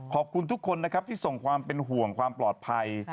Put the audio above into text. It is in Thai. ขอบคุณทุกคนนะครับที่ส่งความเป็นห่วงความปลอดภัย